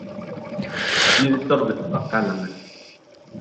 Nidtorgtiba kalanga.